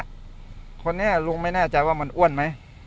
คนนี้ลุงไม่แน่ใจว่ามันอ้วนไหม